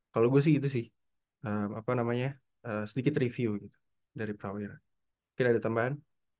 kalau gue sih gitu sih sedikit review dari prawira mungkin ada tambahan